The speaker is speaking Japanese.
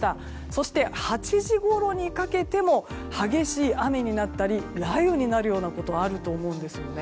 そして、８時ごろにかけても激しい雨になったり雷雨になるようなことがあると思います。